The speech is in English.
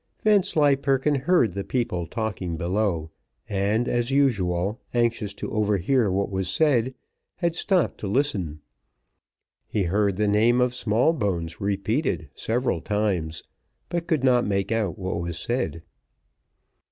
Vanslyperken heard the people talking below, and, as usual, anxious to overhear what was said, had stopped to listen. He heard the name of Smallbones repeated several times, but could not make out what was said.